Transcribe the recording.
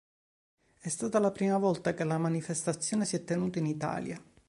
È stata la prima volta che la manifestazione si è tenuta in Italia.